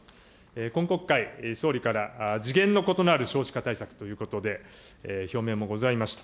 今国会、総理から次元の異なる少子化対策ということで、表明もございました。